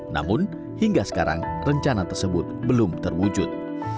namun hingga sekarang rencana tersebut belum terwujud